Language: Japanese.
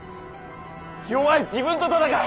弱い自分と闘え！